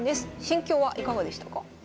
心境はいかがでしたか？